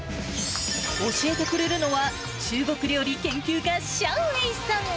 教えてくれるのは、中国料理研究家、シャウ・ウェイさん。